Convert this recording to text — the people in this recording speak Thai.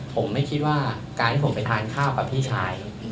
ผมไม่คิดว่าการที่ผมไปทานข้าวกับพี่ชาย